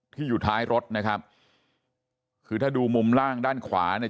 ที่อยู่ท้ายรถนะครับคือถ้าดูมุมล่างด้านขวาเนี่ย